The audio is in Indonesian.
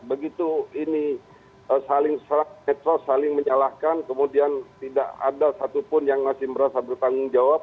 begitu ini saling menyalahkan kemudian tidak ada satupun yang masih merasa bertanggung jawab